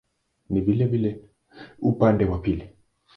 Ni vilevile upande wa pili.